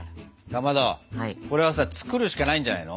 かまどこれはさ作るしかないんじゃないの？